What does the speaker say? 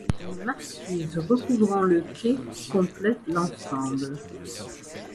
Une marquise recouvrant le quai complète l'ensemble.